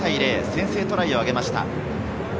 先制トライを挙げました。